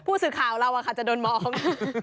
ผู้สื่อข่าวเราจะโดนมอง